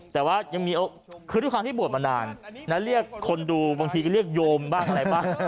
แต่ว่ายังมีคือด้วยความที่บวชมานานนะเรียกคนดูบางทีก็เรียกโยมบ้างอะไรบ้าง